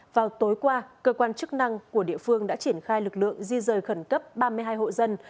vào tối qua cơ quan chức năng của địa phương đã triển khai lực lượng di rời khẩn cấp ba mươi hai hộ dân